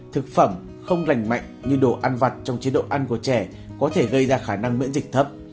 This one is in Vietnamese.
thực phẩm không lành mạnh như đồ ăn vặt trong chế độ ăn của trẻ có thể gây ra khả năng miễn dịch thấp